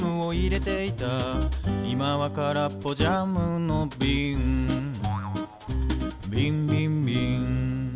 「いまはからっぽジャムのびん」「びんびんびん」